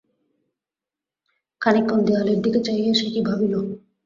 খানিকক্ষণ দেওয়ালের দিকে চাহিয়া সে কি ভাবিল।